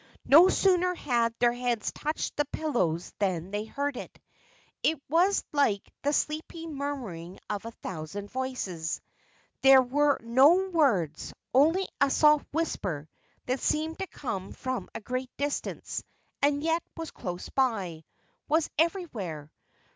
No sooner had their heads touched the pillows than they heard it. It was like the sleepy murmuring of a thousand voices. There were no words, only a soft whisper that seemed to come from a great distance and yet was close by was everywhere.